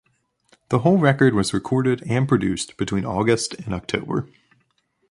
The whole record was recorded and produced between August and October.